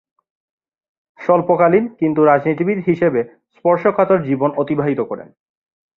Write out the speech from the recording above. স্বল্পকালীন কিন্তু রাজনীতিবিদ হিসেবে স্পর্শকাতর জীবন অতিবাহিত করেন।